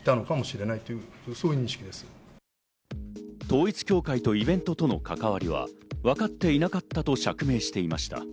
統一教会とイベントとの関わりはわかっていなかったと釈明していました。